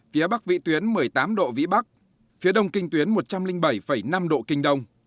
phía bắc vị tuyến một mươi tám độ vĩ bắc phía đông kinh tuyến một trăm linh bảy năm độ kinh đông